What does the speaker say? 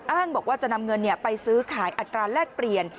บอกว่าจะนำเงินไปซื้อขายอัตราแลกเปลี่ยน